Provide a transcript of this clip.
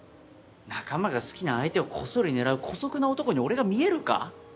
仲間が好きな相手をこっそり狙う姑息な男に俺が見えるか？